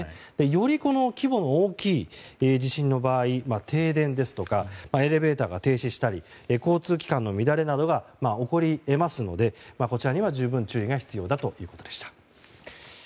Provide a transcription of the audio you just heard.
より規模の大きい地震の場合停電ですとかエレベーターが停止したり交通機関の乱れなどが起こり得ますので、こちらには十分注意が必要ということでした。